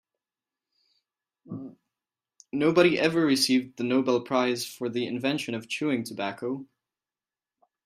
Nobody ever received the Nobel prize for the invention of chewing tobacco.